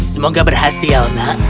semoga berhasil nak